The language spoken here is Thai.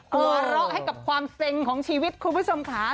หัวเราะให้กับความเซ็งของชีวิตคุณผู้ชมค่ะ